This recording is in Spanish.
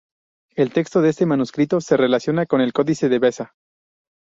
El texto de este manuscrito se relaciona con el Códice de Beza.